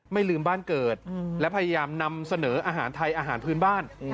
ไม่ลืมบ้านเกิดและพยายามนำเสนออาหารไทยอาหารพื้นบ้าน